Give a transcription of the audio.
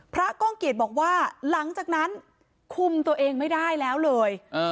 ก้องเกียจบอกว่าหลังจากนั้นคุมตัวเองไม่ได้แล้วเลย